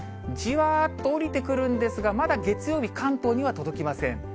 じわーっと下りてくるんですが、まだ月曜日、関東には届きません。